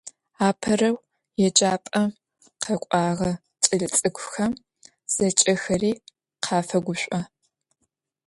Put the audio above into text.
Apereu yêcap'em khek'oğe ç'elets'ık'uxem zeç'exeri khafeguş'o.